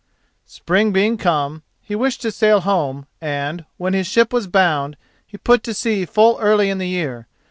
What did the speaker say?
Spring being come, he wished to sail home, and, when his ship was bound, he put to sea full early in the year.